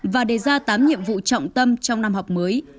và đề ra tám nhiệm vụ trọng tâm trong năm học mới